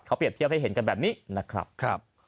เขาเปรียบเทียบให้เห็นกันแบบนี้นะครับ